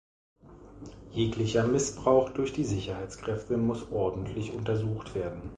Jeglicher Missbrauch durch die Sicherheitskräfte muss ordentlich untersucht werden.